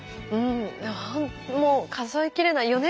うんもう数え切れない。